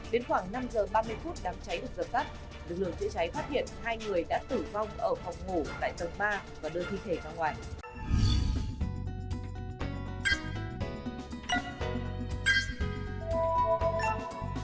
đến khoảng năm giờ ba mươi phút đám cháy được dập tắt lực lượng chữa cháy phát hiện hai người đã tử vong ở phòng ngủ tại tầng ba và đưa thi thể ra ngoài